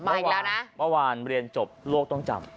เมื่อวานเรียนจบโลกต้องจำ